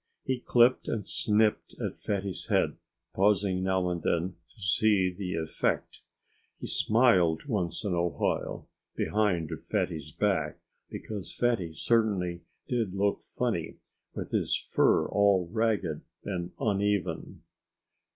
He clipped and snipped at Fatty's head, pausing now and then to see the effect. He smiled once in a while, behind Fatty's back, because Fatty certainly did look funny with his fur all ragged and uneven.